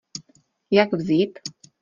Jak vzít?